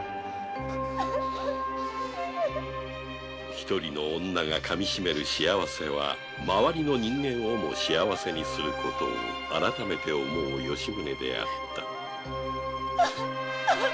一人の女がかみしめる幸せは周りの人間をも幸せにすることを改めて思う吉宗であった